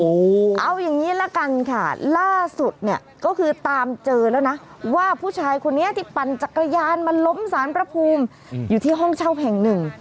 เอาอย่างนี้ละกันค่ะล่าสุดเนี่ยก็คือตามเจอแล้วนะว่าผู้ชายคนนี้ที่ปั่นจักรยานมาล้มสารพระภูมิอยู่ที่ห้องเช่าแห่งหนึ่ง